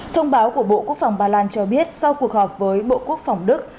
thông báo của bộ quốc phòng bà lan cho biết sau cuộc họp với bộ quốc phòng đức